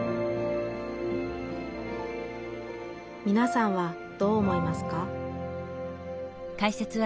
みなさんはどう思いますか？